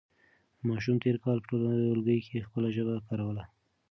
ماشوم تېر کال په ټولګي کې خپله ژبه کاروله.